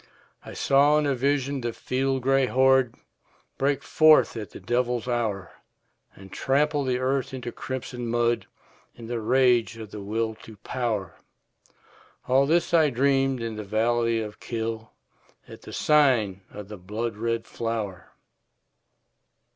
I saw in a vision the field gray horde Break forth at the devil's hour, And trample the earth into crimson mud In the rage of the Will to Power, All this I dreamed in the valley of Kyll, At the sign of the blood red flower.